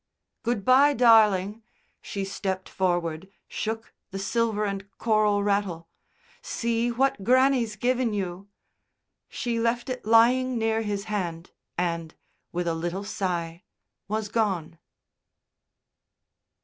"Good bye, darling." She stepped forward, shook the silver and coral rattle. "See what grannie's given you!" She left it lying near his hand, and, with a little sigh, was gone.